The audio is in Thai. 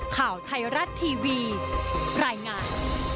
ข่าวไทยรัฐทีวีรายงาน